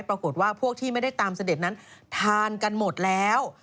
ปรากฏว่าพวกที่ไม่ได้ตามเสด็จนั้นทานกันหมดแล้ว